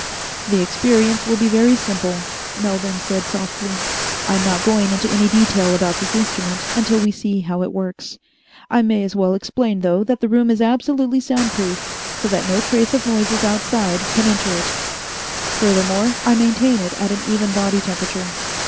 "The experience will be very simple," Melbourne said softly. "I'm not going into any detail about this instrument until we see how it works. I may as well explain, though, that the room is absolutely sound proof, so that no trace of noises outside can enter it. Furthermore, I maintain it at an even body temperature.